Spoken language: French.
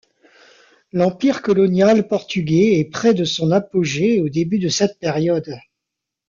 L'Empire colonial portugais est près de son apogée au début de cette période.